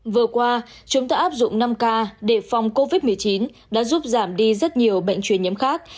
vừa qua chúng ta áp dụng năm k để phòng covid một mươi chín đã giúp giảm đi rất nhiều bệnh truyền nhiễm khác